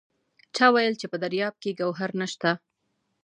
چا وایل چې په دریاب کې ګوهر نشته!